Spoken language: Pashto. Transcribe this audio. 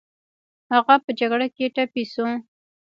هغه په جګړه کې ټپي شو